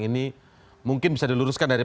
ini mungkin bisa diluruskan dari